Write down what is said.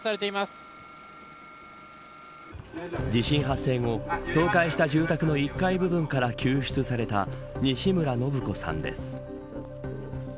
地震発生後倒壊した住宅の１階部分から救出された西村信子さんです。